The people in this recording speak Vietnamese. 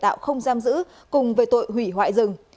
các bị cáo không giam giữ cùng về tội hủy hoại rừng